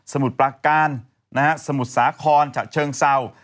สมุทรประการสมุทรสาครเชิงเศร้า